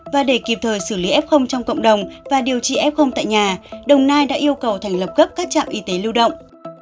và để kịp thời xử lý f trong cộng đồng và điều trị f tại nhà đồng nai đã yêu cầu thành lập cấp các trạm y tế lưu động